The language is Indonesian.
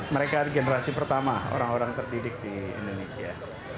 mereka generasi pertama orang orang terdidik di indonesia